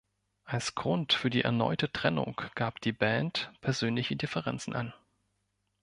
Als Grund für die erneute Trennung gab die Band persönliche Differenzen an.